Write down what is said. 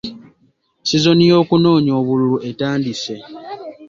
Sizoni y'okunoonya obululu etandise.